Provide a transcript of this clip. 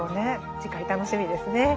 次回楽しみですね。